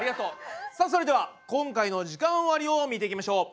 さあそれでは今回の時間割りを見ていきましょう。